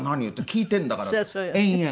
聞いてるんだから」って延々。